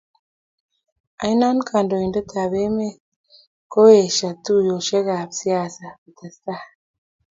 oino, kandoindetab emet koieshoo tuiyeshekab siasa kotesetai